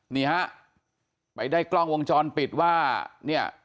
นี่ฮะไปได้กล้องวงจรปิดว่าเนี่ย